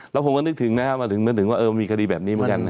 และผมก็นึกถึงนะครับ